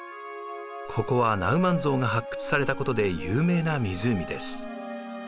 ここはナウマンゾウが発掘されたことで有名な湖です。